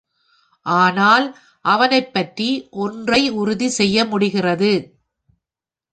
ஆனால் அவனைப்பற்றி ஒன்றை உறுதி செய்ய முடிகிறது.